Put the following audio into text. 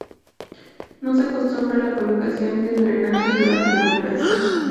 No se acostumbra la colocación de drenajes durante la operación.